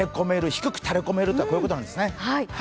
低く垂れ込めるというのは、こういうことなんですね。